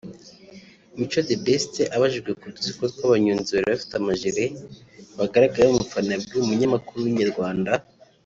Mico The Best abajijwe ku dutsiko tw’abanyonzi bari bafite amajiri bagaragaye bamufana yabwiye umunyamakuru wa Inyarwanda